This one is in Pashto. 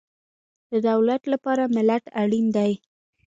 د دولت لپاره ملت اړین دی